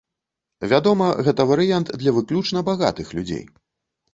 Вядома, гэта варыянт для выключна багатых людзей.